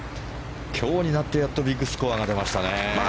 今日になってやっとビッグスコアが出ましたね。